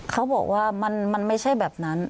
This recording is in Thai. เขาบอกว่ามันไม่ใช่แบบนั้น